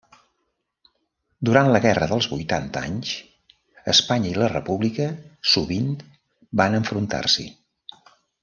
Durant la guerra dels vuitanta anys, Espanya i la República sovint van enfrontar-s'hi.